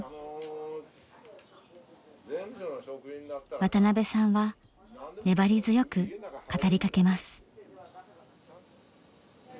渡邊さんは粘り強く語りかけます。